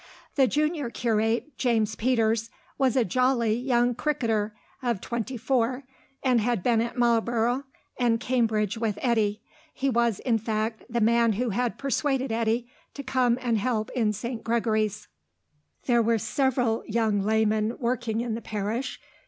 The junior curate, James Peters, was a jolly young cricketer of twenty four, and had been at Marlborough and Cambridge with Eddy; he was, in fact, the man who had persuaded Eddy to come and help in St. Gregory's. There were several young laymen working in the parish.